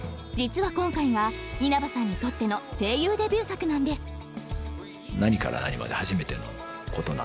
［実は今回は稲葉さんにとっての声優デビュー作なんです］